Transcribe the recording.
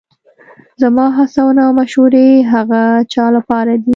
زما هڅونه او مشورې هغه چا لپاره دي